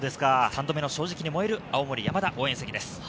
３度目の正直に燃える青森山田応援席です。